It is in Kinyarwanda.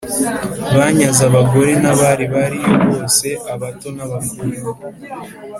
Banyaze abagore n’abari bari yo bose abato n’abakuru